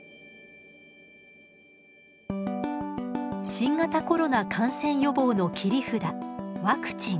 新型コロナ感染予防の切り札ワクチン。